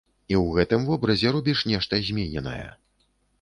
І ў гэтым вобразе робіш нешта змененае.